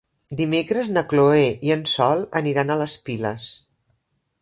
Dimecres na Chloé i en Sol aniran a les Piles.